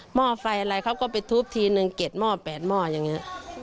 หม้อไฟอะไรเขาก็ไปทุบทีนึงเก็ดหม้อแปดหม้อยังงี้